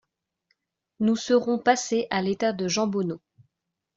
Nous serons passés à l’état de jambonneau.